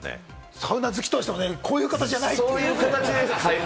サウナ好きとしてもこういうのじゃないという。